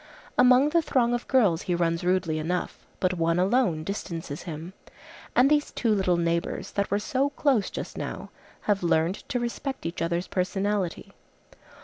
Among the throng of girls he runs rudely enough, but one alone distances him; and these two little neighbors, that were so close just now, have learned to respect each other's personality.